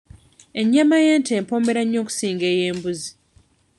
Ennyama y'ente empoomera nnyo okusinga ey'embuzi.